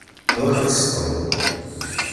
Ṛuḥ ad d-tseṭṭleḍ.